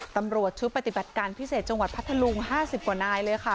ตำรวจชุดปฏิบัติการพิเศษจังหวัดพัทธลุง๕๐กว่านายเลยค่ะ